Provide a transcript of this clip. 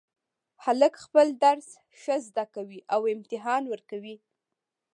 هلک خپل درس ښه زده کوي او امتحان ورکوي